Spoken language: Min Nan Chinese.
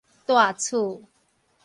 大厝